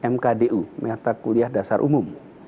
mkdu mata kuliah dasar umum